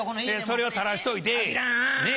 それを垂らしといて。